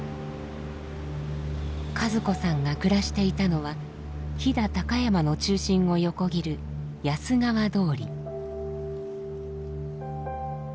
和子さんが暮らしていたのは飛騨高山の中心を横切る「安川通り」。